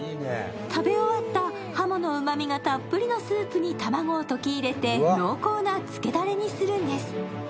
食べ終わったハモのうまみがたっぷりのスープに卵を溶き入れて濃厚なつけダレにするんです。